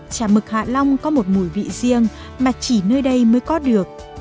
chả mực hạ long có một mùi vị riêng mà chỉ nơi đây mới có được